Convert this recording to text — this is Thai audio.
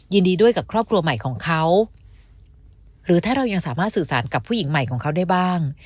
ยินดีด้วยกับครอบครัวใหม่ของเขาหรือถ้าเรายังสามารถสื่อสารกับผู้หญิงใหม่ของเขาได้บ้าง